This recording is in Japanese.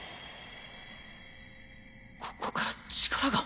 ここから力が。